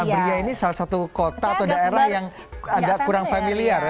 abria ini salah satu kota atau daerah yang agak kurang familiar ya